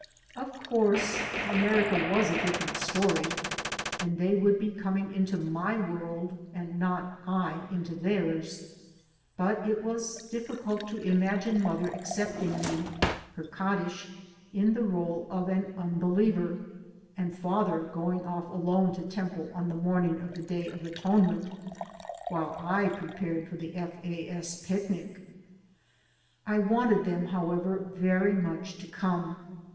Of course, America was a different story; and they would be coming into my world and not I into theirs. But it was 9 difficult to imagine mother accepting me, her kaddish, in the r61e of an unbeliever^ and father going off alone to temple on the morning of the Day of Atonement while I prepared for the F. A. S. picnic. I wanted them, however, very much to come.